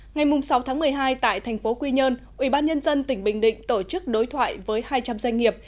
ngày sáu một mươi hai tại tp quy nhơn ubnd tỉnh bình định tổ chức đối thoại với hai trăm linh doanh nghiệp